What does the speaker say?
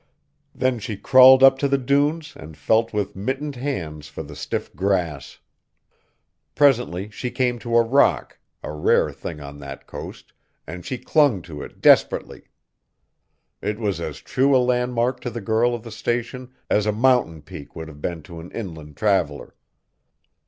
Then she crawled up to the dunes and felt with mittened hands for the stiff grass. Presently she came to a rock, a rare thing on that coast, and she clung to it desperately. It was as true a landmark to the girl of the Station as a mountain peak would have been to an inland traveller.